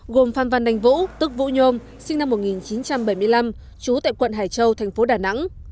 gồm phan văn anh vũ tức vũ nhôm sinh năm một nghìn chín trăm bảy mươi năm trú tại quận hải châu thành phố đà nẵng